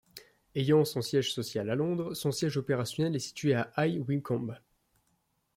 Ayant son siège social à Londres, son siège opérationnel est situé à High Wycombe.